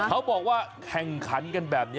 แล้วยังไง